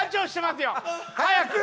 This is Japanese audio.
早く！